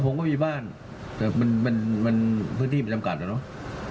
ผมก็มีบ้านแต่มันมันพื้นที่มันจำกัดแล้วเนอะ